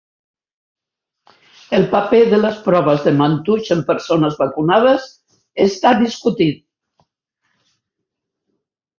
El paper de les proves de Mantoux en persones vacunades està discutit.